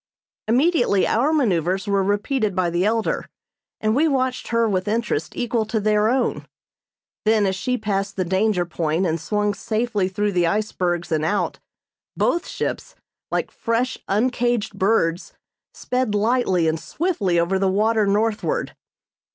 Immediately our manoeuvres were repeated by the "Elder," and we watched her with interest equal to their own; then as she passed the danger point and swung safely through the ice bergs and out, both ships, like fresh, uncaged birds, sped lightly and swiftly over the water northward.